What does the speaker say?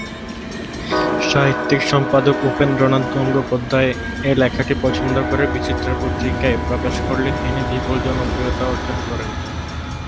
সাহিত্যিক-সম্পাদক উপেন্দ্রনাথ গঙ্গোপাধ্যায় এ লেখাটি পছন্দ করে বিচিত্রা পত্রিকায় প্রকাশ করলে তিনি বিপুল জনপ্রিয়তা অর্জন করেন।